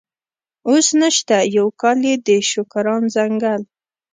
اوس نشته، یو کال یې د شوکران ځنګل.